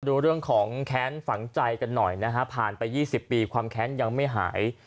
ดูเรื่องของแค้นฝังใจกันหน่อยนะฮะผ่านไป๒๐ปีความแค้นยังไม่หาย